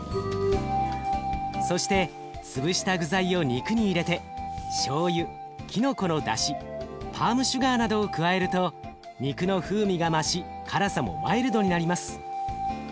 そして潰した具材を肉に入れてしょうゆきのこのだしパームシュガーなどを加えると肉の風味が増し辛さもマイルドになります。